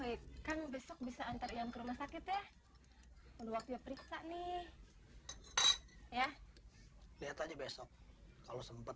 hai oe kang besok bisa antar yang ke rumah sakit ya waktu periksa nih ya lihat aja besok kalau sempet